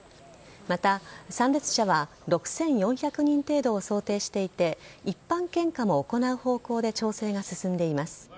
また、参列者は６４００人程度を想定していて一般献花も行う方向で調整が進んでいます。